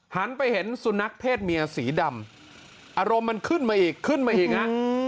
หันไปเห็นสุนัขเพศเมียสีดำอารมณ์มันขึ้นมาอีกขึ้นมาอีกฮะ